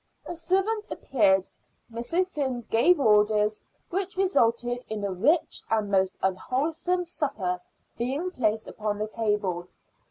A servant appeared. Miss O'Flynn gave orders which resulted in a rich and most unwholesome supper being placed upon the table.